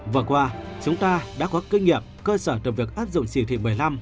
vừa qua chúng ta đã có kinh nghiệm cơ sở từ việc áp dụng trì thị một mươi năm một mươi sáu một mươi chín